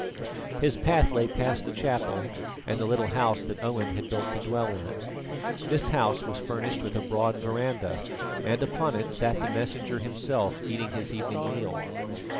His path lay past the chapel and the little house that Owen had built to dwell in. This house was furnished with a broad verandah, and upon it sat the Messenger himself, eating his evening meal.